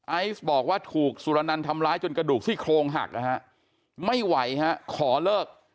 ไอซ์บอกว่าถูกสุรนันต์ทำร้ายจนกระดูกซี่โครงหักนะฮะไม่ไหวฮะขอเลิก